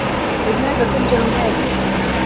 لماذا كنت هناك ؟